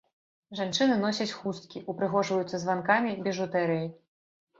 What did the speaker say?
Жанчыны носяць хусткі, упрыгожваюцца званкамі, біжутэрыяй.